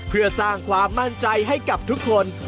เพื่อสร้างความมั่นใจให้กับทุกคน